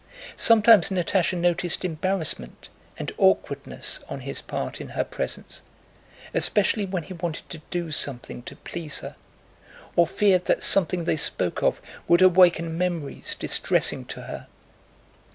Sometimes Natásha noticed embarrassment and awkwardness on his part in her presence, especially when he wanted to do something to please her, or feared that something they spoke of would awaken memories distressing to her.